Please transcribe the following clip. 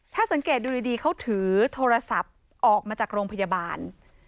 ถ้าสังเกตดูดีเขาถือโทรศัพท์ออกมาจากโรงพยาบาล